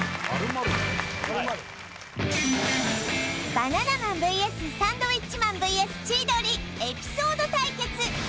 バナナマンＶＳサンドウィッチマンＶＳ千鳥エピソード対決！